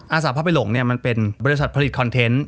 สาภาพไปหลงเนี่ยมันเป็นบริษัทผลิตคอนเทนต์